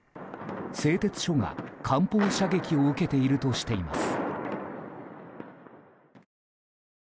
製鉄所が艦砲射撃を受けているとしています。